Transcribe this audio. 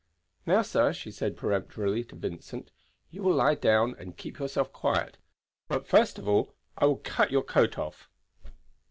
"Now, sir," she said peremptorily to Vincent, "you will lie down and keep yourself quiet, but first of all I will cut your coat off."